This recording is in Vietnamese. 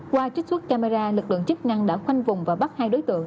qua trích xuất camera lực lượng chức năng đã khoanh vùng và bắt hai đối tượng